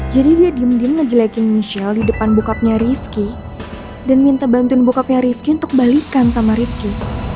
jadi dia diam diam ngejelekin michelle di depan bokapnya rifki dan minta bantuin bokapnya rifki untuk balikan sama rifki